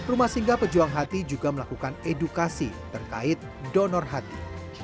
rumah singgah pejuang hati juga melakukan edukasi terkait donor hati